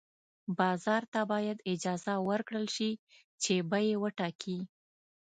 بازار ته باید اجازه ورکړل شي چې بیې وټاکي.